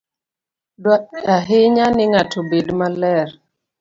Dwarore ahinya ni ng'ato obed maler.